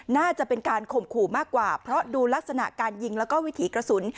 น่าจะเป็นการข่มขู่มากกว่าเพราะดูลักษณะการยิงแล้วก็วิถีกระสุน